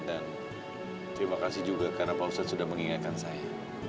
dan terima kasih juga karena pak ustaz sudah mengingatkan saya